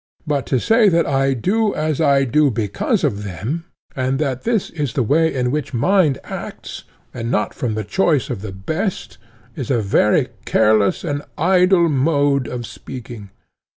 But to say that I do as I do because of them, and that this is the way in which mind acts, and not from the choice of the best, is a very careless and idle mode of speaking.